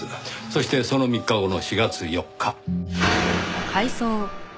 そしてその３日後の４月４日。